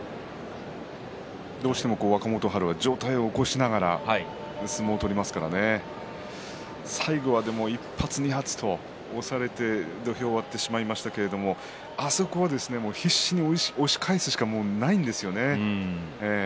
若元春はどうしても、上体を起こして相撲を取りますから最後はどうしても１発、２発と押されて土俵を割ってしまいましたけれどもあそこは必死に押し返すしかもうないんですよね。